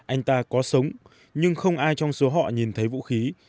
anh ta có sống nhưng không ai trong số họ nhìn thấy vũ khí